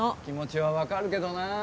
気持ちは分かるけどな